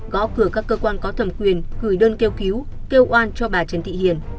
gõ cửa các cơ quan có thẩm quyền gửi đơn kêu cứu kêu oan cho bà trần thị hiền